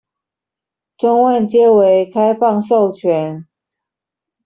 專案皆為開放授權